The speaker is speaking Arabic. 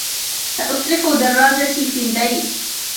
سأصلح دراجتي في البيت.